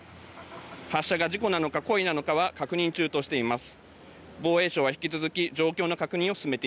発射が事故なのか故意なのかは確認中としています。